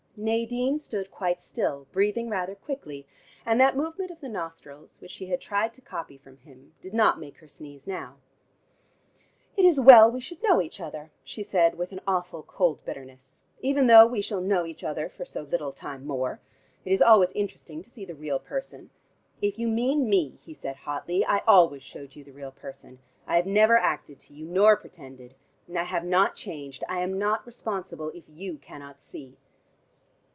Nadine stood quite still, breathing rather quickly, and that movement of the nostrils, which she had tried to copy from him, did not make her sneeze now. "It is well we should know each other," she said with an awful cold bitterness, "even though we shall know each other for so little time more. It is always interesting to see the real person " "If you mean me," he said hotly, "I always showed you the real person. I have never acted to you, nor pretended. And I have not changed. I am not responsible if you cannot see!"